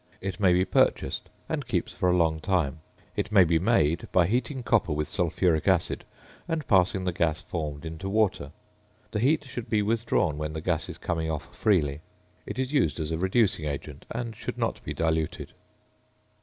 It may be purchased, and keeps for a long time. It may be made by heating copper with sulphuric acid and passing the gas formed into water. The heat should be withdrawn when the gas is coming off freely. It is used as a reducing agent, and should not be diluted.